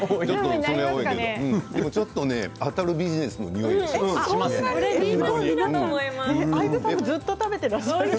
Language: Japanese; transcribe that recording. ちょっと当たるビジネスのにおいがします。